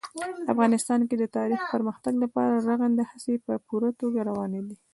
افغانستان کې د تاریخ د پرمختګ لپاره رغنده هڅې په پوره توګه روانې دي.